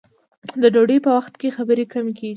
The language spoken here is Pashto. د ډوډۍ په وخت کې خبرې کمې کیږي.